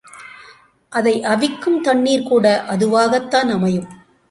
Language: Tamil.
அதை அவிக்கும் தண்ணீர்கூட அதுவாகத்தான் அமையும்.